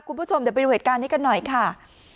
คุณผู้ชมเดี๋ยวไปดูเหตุการณ์นี้กันหน่อยค่ะ